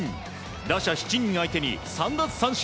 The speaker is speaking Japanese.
打者７人相手に３奪三振。